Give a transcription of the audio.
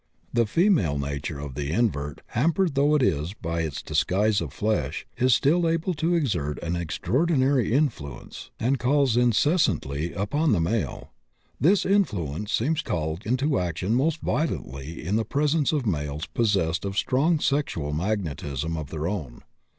The female nature of the invert, hampered though it is by its disguise of flesh, is still able to exert an extraordinary influence, and calls insistently upon the male. This influence seems called into action most violently in the presence of males possessed of strong sexual magnetism of their own.